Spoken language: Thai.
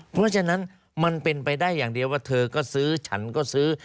เพราะฉะนั้นมันเป็นไปได้อย่างเดียวว่าเธอก็ซื้อฉันก็ซื้อ